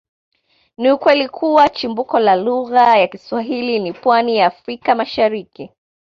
Ni ukweli kuwa chimbuko la lugha ya Kiswahili ni pwani ya Afrika Mashariki